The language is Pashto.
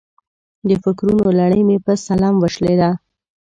د فکرونو لړۍ مې په سلام وشلېده.